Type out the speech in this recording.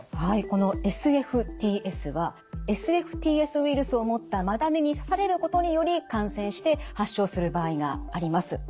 このＳＦＴＳはＳＦＴＳウイルスを持ったマダニに刺されることにより感染して発症する場合があります。